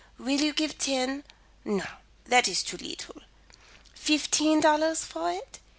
Will you give ten no, that is too leetle fifteen dollars for it?